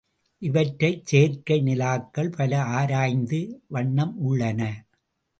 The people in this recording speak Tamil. இவற்றைச் செயற்கை நிலாக்கள் பல ஆராய்ந்த வண்ணம் உள்ளன.